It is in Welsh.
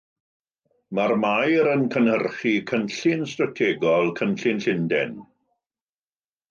Mae'r maer yn cynhyrchu cynllun strategol, "Cynllun Llundain".